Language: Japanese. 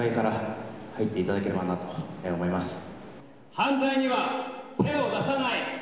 犯罪には手を出さない！